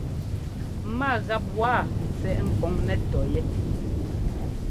Ma gap waa sɛ́ ɛ́kɔŋ nɛ́ tɔyɛ́.